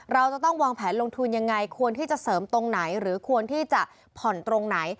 เราจะต้องวางแผนลงทุนยังไงควรที่จะเสริมตรงไหนหรือควรที่จะผ่อนตรงไหน